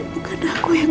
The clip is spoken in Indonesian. bukan aku yang ngelakuin